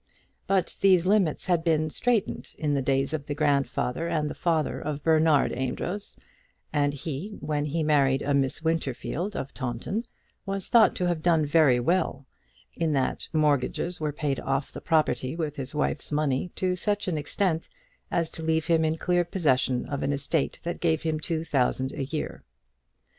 But these limits had been straitened in the days of the grandfather and the father of Bernard Amedroz; and he, when he married a Miss Winterfield of Taunton, was thought to have done very well, in that mortgages were paid off the property with his wife's money to such an extent as to leave him in clear possession of an estate that gave him two thousand a year.